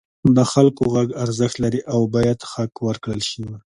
د خلکو غږ ارزښت لري او باید حق ورکړل شي.